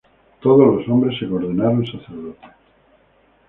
Todos los hombres se ordenaron sacerdotes.